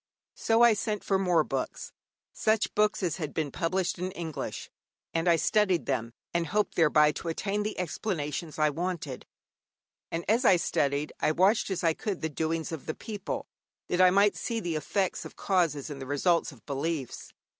So I sent for more books, such books as had been published in English, and I studied them, and hoped thereby to attain the explanations I wanted; and as I studied, I watched as I could the doings of the people, that I might see the effects of causes and the results of beliefs.